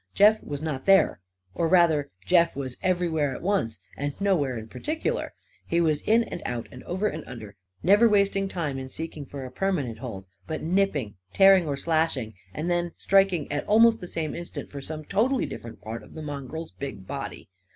Jeff was not there. Or rather, Jeff was everywhere at once and nowhere in particular. He was in and out and over and under; never wasting time in seeking for a permanent hold, but nipping, tearing or slashing, and then striking at almost the same instant for some totally different part of the mongrel's big body.